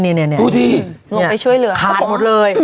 นี่ดูดิลงไปช่วยเหลือขาดหมดเลย